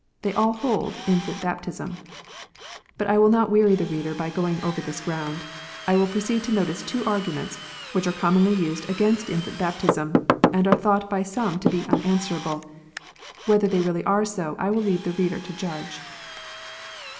They all hold infant baptism ! But I will not weary the reader by going over this ground. I will proceed to notice two arguments which are commonly used against infant baptism, and are thought by some to be unanswer able. Whether they really are so I will leave the reader to judge.